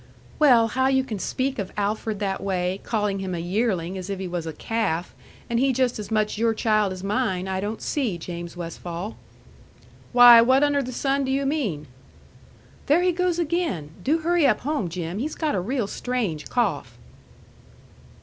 "Well, how you can speak of Alfred that way, calling him a yearling, as if he was a calf, and he just as much your child as mine, I don't see, James Westfall!" "Why, what under the sun do you mean?" "There he goes again! Do hurry up home, Jim. He's got a real strange cough."